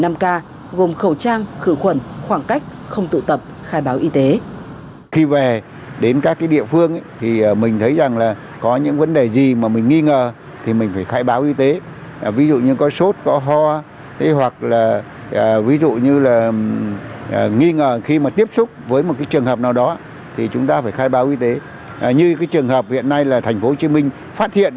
tất cả gồm khẩu trang khử khuẩn khoảng cách không tụ tập khai báo y tế